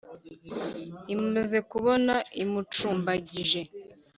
imaze kubona imucumbagije,